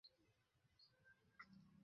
বাল Trixie, কি হচ্ছে এসব?